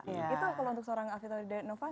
itu kalau untuk seorang alvito lidenova